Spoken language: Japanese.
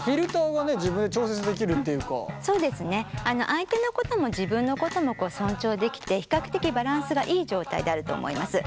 相手のことも自分のことも尊重できて比較的バランスがいい状態であると思います。